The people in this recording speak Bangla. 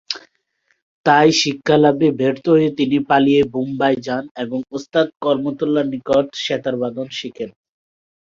তাই শিক্ষালাভে ব্যর্থ হয়ে তিনি পালিয়ে বোম্বাই যান এবং ওস্তাদ করমতুল্লার নিকট সেতারবাদন শেখেন।